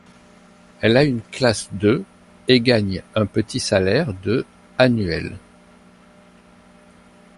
Elle a une classe de et gagne un petit salaire de annuelles.